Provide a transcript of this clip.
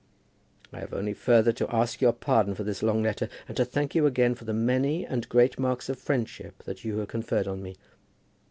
I have only further to ask your pardon for this long letter, and to thank you again for the many and great marks of friendship which you have conferred on me.